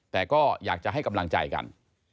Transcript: แต่ก็อยากจะให้กำลังใจกัน